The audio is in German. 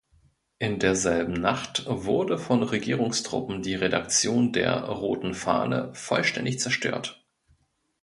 In derselben Nacht wurde von Regierungstruppen die Redaktion der „Roten Fahne“ vollständig zerstört.